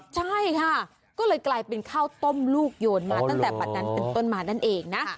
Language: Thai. ใช่ค่ะก็เลยกลายเป็นข้าวต้มลูกโยนมาตั้งแต่บัตรนั้นเป็นต้นมานั่นเองนะ